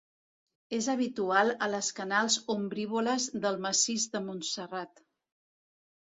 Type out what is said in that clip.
És habitual a les canals ombrívoles del massís de Montserrat.